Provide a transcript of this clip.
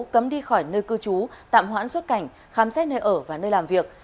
cấm đi khỏi nơi cư trú tạm hoãn xuất cảnh khám xét nơi ở và nơi làm việc